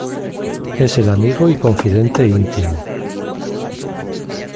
Es el amigo y confidente íntimo.